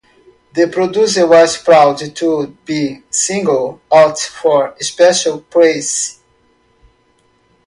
The producer was proud to be singled out for special praise.